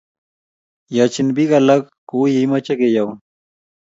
Yaachin pik alak kou ye imache keyaun.